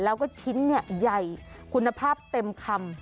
แล้วก็ชิ้นใหญ่คุณภาพเต็มคำ